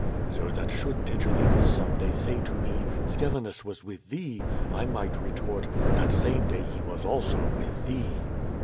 "So that should Tigellinus some day say to me ^Scevinus was with thee,' 1 might retort, *That same day he was also with thee.'"